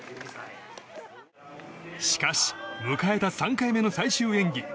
しかし、迎えた３回目の最終演技。